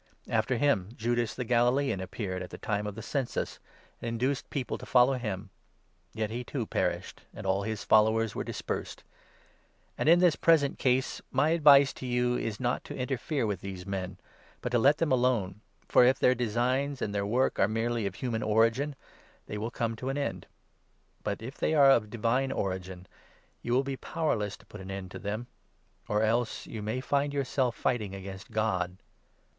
After him, Judas the Galilean appeared 37 at the time of the census, and induced people to follow him ; yet he, too, perished and all his followers were dispersed. And, 38 in this present case, my advice to you is not to interfere with these men, but to let them alone, for, if their designs and their work are merely of human origin, they will come to an end ; but, if they are of divine origin, you will be powerless to 39 put an end to them — or else you may find yourselves fighting against God